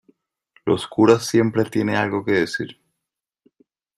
los curas siempre tiene algo que decir.